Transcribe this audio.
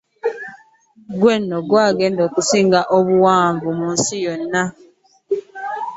Guno gw'egunda okusinga obuwanvu mu nsi yonna